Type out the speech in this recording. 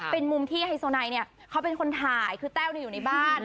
เป็นมุมที่ไฮโซไนเนี่ยเขาเป็นคนถ่ายคือแต้วอยู่ในบ้าน